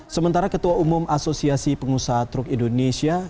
sementara ketua umum asosiasi pengusaha truk indonesia